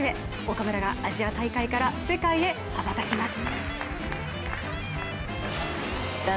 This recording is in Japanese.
岡村がアジア大会から世界へ羽ばたきます。